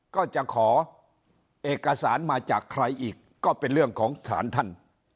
ก็จะขอเอกสารมาจากใครอีกก็เป็นเรื่องของฐานท่าน